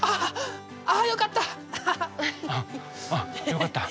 よかった。